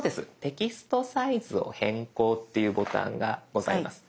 「テキストサイズを変更」っていうボタンがございます。